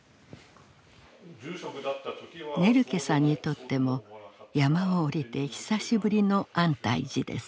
ネルケさんにとっても山を下りて久しぶりの安泰寺です。